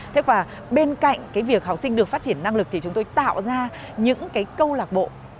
thế và bên cạnh cái việc học sinh được phát triển năng lực thì chúng tôi tạo ra những cái câu lạc bộ